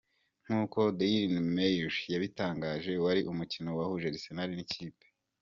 Nkuko dailymail yabitangaje, wari umukino wahuje Arsenal nikipe.